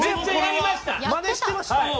マネしてました。